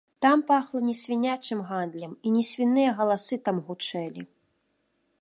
Там пахла не свінячым гандлем, і не свіныя галасы там гучэлі.